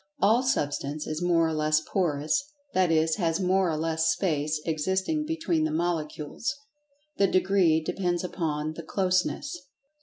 All Substance is more or less Porous, that is, has more or less space existing between the Molecules—the degree depends upon the "closeness."